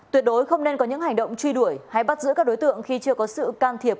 tuyệt đối không nên có những hành động truy đuổi hay bắt giữ các đối tượng khi chưa có sự can thiệp